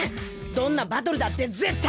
どんなバトルだって絶対。